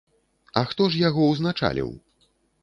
А хто ж яго ўзначаліў?